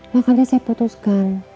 makanya saya putuskan